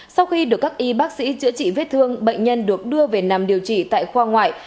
sau khi được các y bác sĩ chữa trị vết thương bệnh nhân được đưa về nằm điều trị tại khoa ngoại